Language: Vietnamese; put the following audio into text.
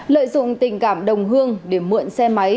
lợi dụng tình cảm đồng hương để mượn xe máy